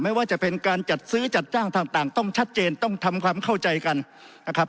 ว่าจะเป็นการจัดซื้อจัดจ้างต่างต้องชัดเจนต้องทำความเข้าใจกันนะครับ